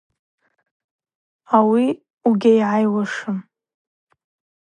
Ауи угьайгӏайуашым.